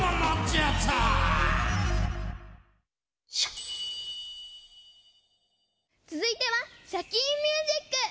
これぞつづいては「シャキーン！ミュージック」！